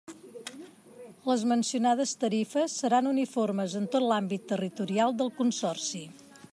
Les mencionades tarifes seran uniformes en tot l'àmbit territorial del Consorci.